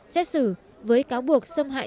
xét xử với cáo buộc xâm hại